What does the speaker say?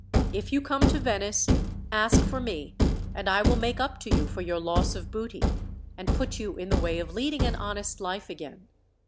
If you come to Venice, ask for me, and I will make up to you for your loss of booty, and put you in the way of leading an honest life again.